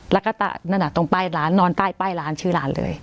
แล้วก็นั่นอ่ะตรงป้ายร้านนอนใต้ป้ายร้านชื่อร้านเลย